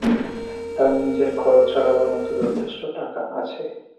তাঁর নিজের খরচ চালাবার মত যথেষ্ট টাকা আছে।